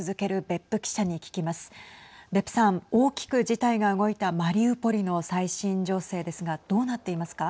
別府さん、大きく事態が動いたマリウポリの最新情勢ですがどうなっていますか。